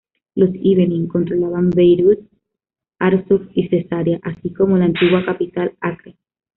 Los Ibelín controlaban Beirut, Arsuf, y Cesarea, así como la antigua capital, Acre.